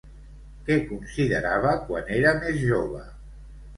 Què considerava quan era més jove?